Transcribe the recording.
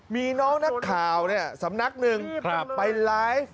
มีน้องนักข่าวสำนักหนึ่งไปไลฟ์